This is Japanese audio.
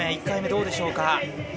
１回目、どうでしょうか。